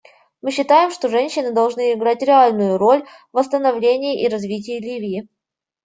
Мы считаем, что женщины должны играть реальную роль в восстановлении и развитии Ливии.